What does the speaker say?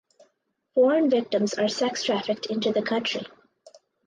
Foreign victims are sex trafficked into the country.